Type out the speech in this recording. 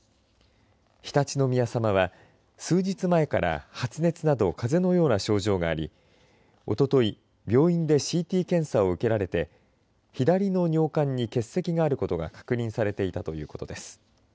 常陸宮さまは数日前から発熱などかぜのような症状がありおととい病院でＣＴ検査を受けられて左の尿管に結石があることが確認されていたということです。